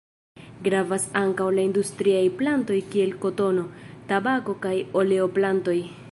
Gravas ankaŭ la industriaj plantoj kiel kotono, tabako kaj oleo-plantoj.